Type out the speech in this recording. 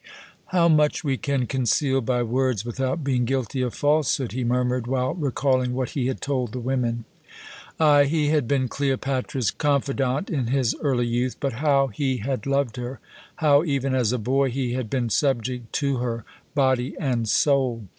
"How much we can conceal by words without being guilty of falsehood!" he murmured, while recalling what he had told the women. Ay, he had been Cleopatra's confidant in his early youth, but how he had loved her, how, even as a boy, he had been subject to her, body and soul!